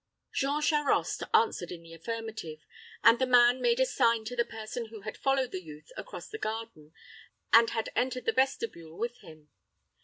Jean Charost answered in the affirmative, and the man made a sign to the person who had followed the youth across the garden and had entered the vestibule with him.